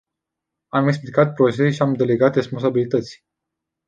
Am explicat procese și am delegat responsabilități.